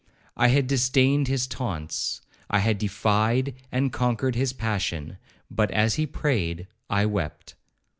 I had disdained his taunts, I had defied and conquered his passion, but as he prayed, I wept.